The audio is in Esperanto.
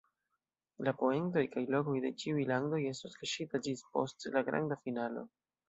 La poentoj kaj lokoj de ĉiuj landoj estos kaŝita ĝis post la granda finalo.